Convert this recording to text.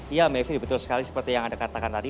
iya mevri betul sekali seperti yang anda katakan tadi